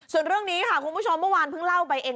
ส่วนเรื่องนี้ค่ะคุณผู้ชมเมื่อวานเพิ่งเล่าไปเอง